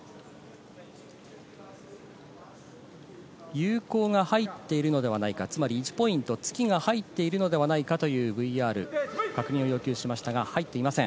有効が入っているのではないか、つまり１ポイント突きが入ってるのではないかというＶＲの確認を要求しましたが入っていません。